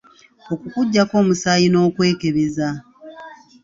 Okukuggyako omusaayi n’okwekebeza.